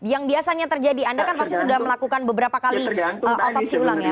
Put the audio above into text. yang biasanya terjadi anda kan pasti sudah melakukan beberapa kali otopsi ulang ya